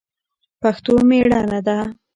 پښتو مېړانه ده